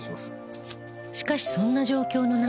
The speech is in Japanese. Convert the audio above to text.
しかしそんな状況の中